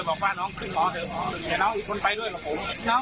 บอกว่าน้องขึ้นมอเถอะแต่น้องอีกคนไปด้วยกับผม